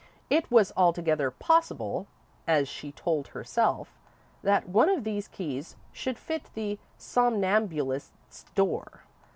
It was altogether possible, as she told herself, that one of these keys should fit the somnambulist's door.